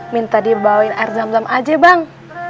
minta dibawain air zam zam aja bang